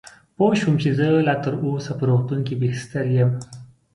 پوه شوم چې زه لا تراوسه په روغتون کې بستر یم.